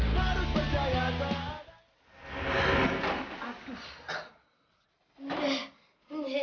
harus percaya pada